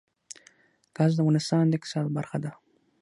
ګاز د افغانستان د اقتصاد برخه ده.